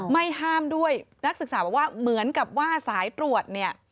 ไม่ห้ามด้วยนักศึกษาบอกว่าเหมือนกับว่าสายตรวจเนี่ย